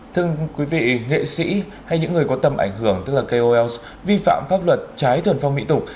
thưa quý vị nghệ sĩ hay những người có tầm ảnh hưởng tức là kols vi phạm pháp luật trái thuần phong mỹ tục